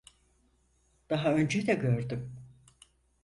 Daha önce de gördüm.